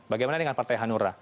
bagaimana dengan partai hanura